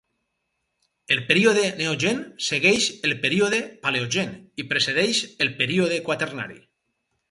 El període Neogen segueix el període Paleogen i precedeix el període Quaternari.